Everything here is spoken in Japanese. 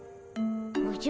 おじゃ？